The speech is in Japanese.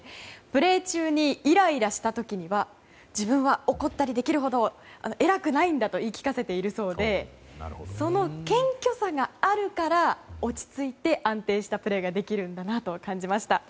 プレー中にイライラした時には自分は怒ったりできるほど偉くないんだと言い聞かせているそうでその謙虚さがあるから落ち着いて安定したプレーができるんだなと感じました。